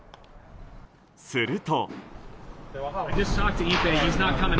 すると。